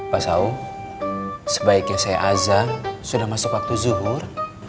pak sahung sebaiknya saya azam sudah masuk waktu zuhur